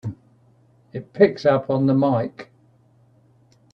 It picks up on the mike!